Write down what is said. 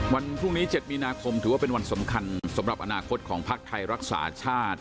วันพรุ่งนี้๗มีนาคมถือว่าเป็นวันสำคัญสำหรับอนาคตของภักดิ์ไทยรักษาชาติ